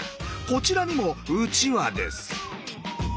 こちらにもうちわです。